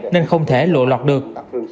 nên không thể lộ lọt được